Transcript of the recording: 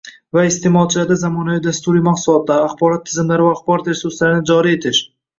va iste'molchilarda zamonaviy dasturiy mahsulotlar, axborot tizimlari va axborot resurslarini joriy etish;